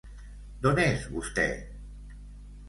D'on és, vostè?